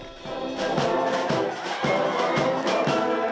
ketika musik bambu sudah dikembangkan